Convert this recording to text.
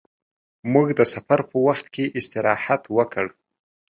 موږ د سفر په وخت کې استراحت وکړ.